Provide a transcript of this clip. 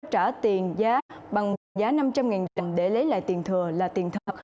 trả tiền giá bằng một giá năm trăm linh đồng để lấy lại tiền thừa là tiền thật